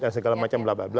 dan segala macam